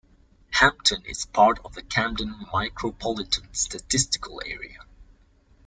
Hampton is part of the Camden Micropolitan Statistical Area.